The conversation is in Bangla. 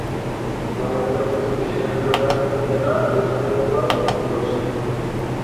নবজাতকের চিকিৎসা জটিলতা নিরসনের উপর নির্ভরশীল।